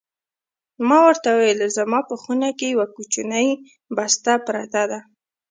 ما ورته وویل: زما په خونه کې یوه کوچنۍ بسته پرته ده.